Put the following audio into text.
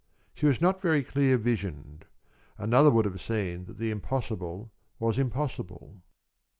She was not very clear visioned. Another would have seen that the impossible was impossible.